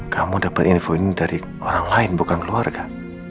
kamu dapat info ini dari orang lain bukan keluarga